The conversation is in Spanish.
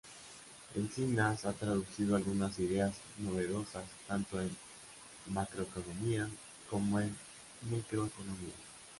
Encinas ha introducido algunas ideas novedosas tanto en macroeconomía como en microeconomía.